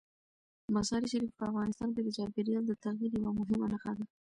مزارشریف په افغانستان کې د چاپېریال د تغیر یوه مهمه نښه ده.